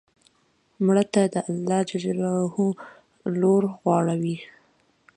مړه ته د الله ج لور غواړو